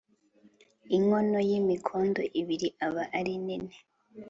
inkono y imikondo ibiri aba ari nini